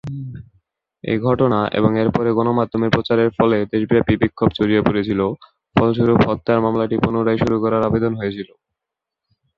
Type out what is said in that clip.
এই ঘটনা এবং এর পরে গণমাধ্যমে প্রচারের ফলে দেশব্যাপী বিক্ষোভ ছড়িয়ে পড়েছিল, ফলস্বরূপ হত্যার মামলাটি পুনরায় শুরু করার আবেদন হয়েছিল।